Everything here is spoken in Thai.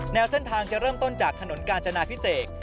เส้นทางจะเริ่มต้นจากถนนกาญจนาพิเศษ